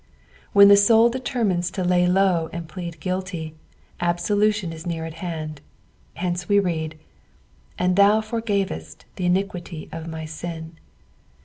When the soul determines to lay low and plead guilty, absolution is near at hand; hence we read, '^And th^ forgavett the iniquity of my tin."